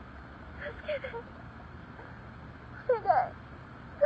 助けて。